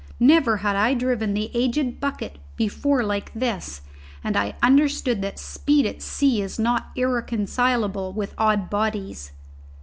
Never had I driven the aged bucket before like this, and I understood that speed at sea is not irreconcilable with odd bodies.